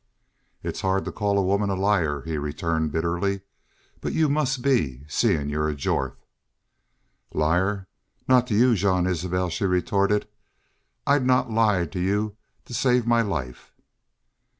"It's hard to call a woman a liar," he returned, bitterly. But you must be seein' you're a Jorth. "Liar! Not to y'u, Jean Isbel," she retorted. "I'd not lie to y'u to save my life."